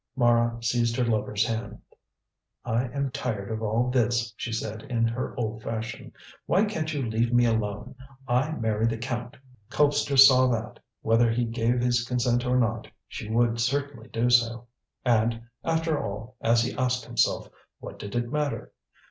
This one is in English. Mara seized her lover's hand. "I am tired of all this," she said in her old fashion, "why can't you leave me alone. I marry the Count!" Colpster saw that, whether he gave his consent or not, she would certainly do so. And, after all, as he asked himself, what did it matter?